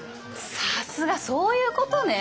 さすがそういうことね！